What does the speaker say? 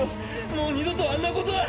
もう二度とあんなことは。